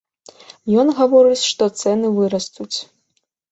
Ён гаворыць, што цэны вырастуць.